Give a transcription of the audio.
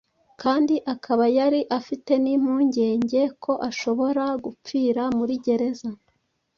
kandi akaba yari afite n'impungenge ko ashobora gupfira muri gereza.